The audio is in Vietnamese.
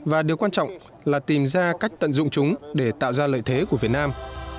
và điều quan trọng là tìm ra cách tận dụng chúng để tạo ra lợi thế của việt nam